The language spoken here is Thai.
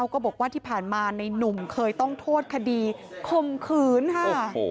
ก็บอกว่าที่ผ่านมาในนุ่มเคยต้องโทษคดีข่มขืนค่ะ